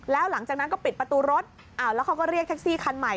แล้วหลังจากนั้นก็ปิดประตูรถแล้วเขาก็เรียกแท็กซี่คันใหม่